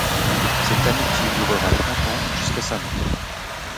Cette amitié durera trente ans jusqu'à sa mort.